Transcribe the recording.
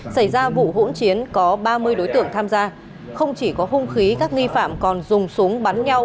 xảy ra vụ hỗn chiến có ba mươi đối tượng tham gia không chỉ có hung khí các nghi phạm còn dùng súng bắn nhau